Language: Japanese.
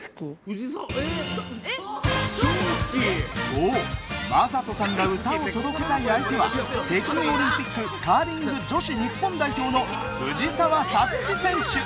そう、将人さんが歌を届けたい相手は北京オリンピックカーリング女子日本代表の藤澤五月選手！